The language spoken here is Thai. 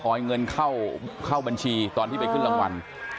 เงินเข้าบัญชีตอนที่ไปขึ้นรางวัล